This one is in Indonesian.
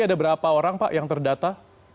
mbak bagai berapa orang yang terdata